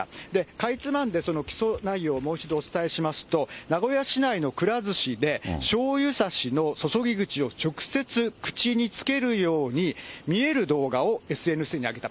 かいつまんで、その起訴内容をもう一度お伝えしますと、名古屋市内のくら寿司で、しょうゆ差しの注ぎ口を直接口につけるように見える動画をＳＮＳに上げた。